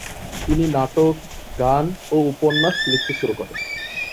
তিনি নাটক, গান ও উপন্যাস লিখতে শুরু করেন।